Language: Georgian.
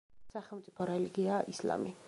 სახელმწიფო რელიგიაა ისლამი.